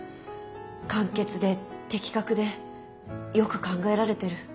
簡潔で的確でよく考えられてる。